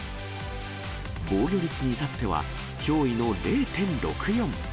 防御率に至っては、驚異の０．６４。